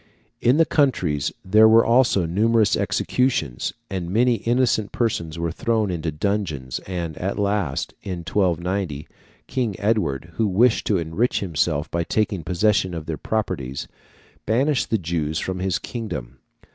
In the counties there were also numerous executions, and many innocent persons were thrown into dungeons; and, at last, in 1290 King Edward, who wished to enrich himself by taking possession of their properties, banished the Jews from his kingdom.